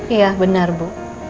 iya benar bu